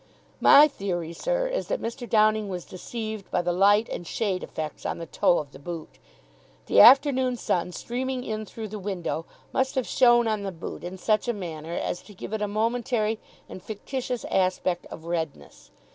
"My theory, sir, is that Mr. Downing was deceived by the light and shade effects on the toe of the boot. The afternoon sun, streaming in through the window, must have shone on the boot in such a manner as to give it a momentary and fictitious aspect of redness.